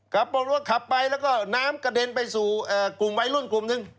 กลับรถกลับไปแล้วก็น้ำกระเด็นไปสู่กลุ่มวัยรุ่นกลุ่มนึง